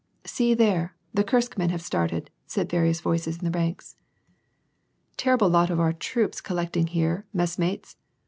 " See there ! The Kursk men have started," said various Toices in the ranks. "Terrible lot of our troops collected here, messmates